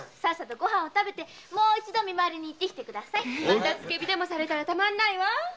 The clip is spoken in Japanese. また付け火でもされたらたまらないわ。